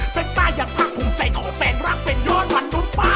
เป็นป้าอย่างพรรคภูมิใจขอแปลงรักเป็นยอดมนุษย์ป้า